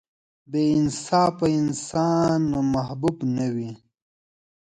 • بې انصافه انسان محبوب نه وي.